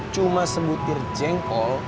cuma sebutir jengkol